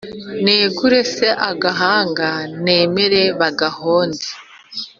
negure se agahanga nemere bagahonde